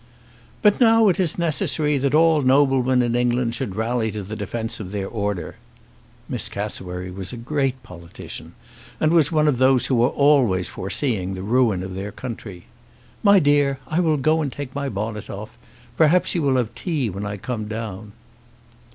"But now it is necessary that all noblemen in England should rally to the defence of their order." Miss Cassewary was a great politician, and was one of those who are always foreseeing the ruin of their country. "My dear, I will go and take my bonnet off. Perhaps you will have tea when I come down."